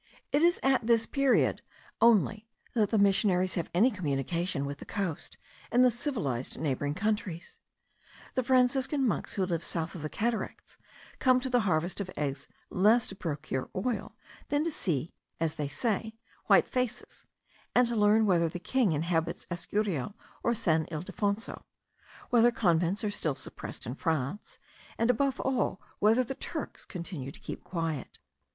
It is at this period only that the missionaries have any communication with the coast and the civilized neighbouring countries. The Franciscan monks who live south of the cataracts, come to the harvest of eggs less to procure oil, than to see, as they say, white faces; and to learn whether the king inhabits the Escurial or San Ildefonso, whether convents are still suppressed in France, and above all, whether the Turks continue to keep quiet.